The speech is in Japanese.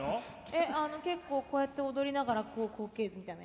えっ結構こうやって踊りながらこうこけるみたいな。